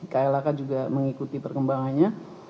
klhk juga mengikuti perkembangannya